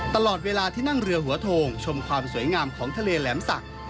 ตลอดเวลาที่นั่งเรือหัวโทงชมความสวยงามของทะเลแหลมศักดิ์